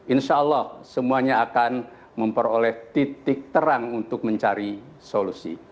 insya allah semuanya akan memperoleh titik terang untuk mencari solusi